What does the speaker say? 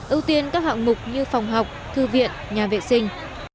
ưu tiên các hạng mục như phòng học thư viện nhà vệ sinh